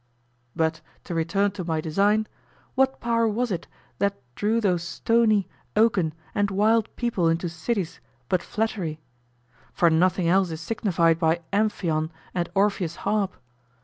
But, to return to my design, what power was it that drew those stony, oaken, and wild people into cities but flattery? For nothing else is signified by Amphion and Orpheus' harp.